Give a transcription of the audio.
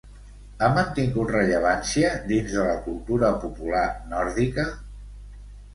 Ha mantingut rellevància dins de la cultura popular nòrdica?